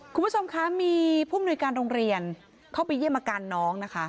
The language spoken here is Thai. คุณผู้ชมคะมีผู้มนุยการโรงเรียนเข้าไปเยี่ยมอาการน้องนะคะ